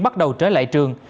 bắt đầu trở lại trường